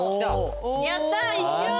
やった一緒！